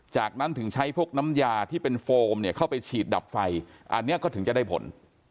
จากนั้นถึงใช้พวกน้ำยาที่เป็นโฟมเนี่ยเข้าไปฉีดดับไฟอันนี้ก็ถึงจะได้ผล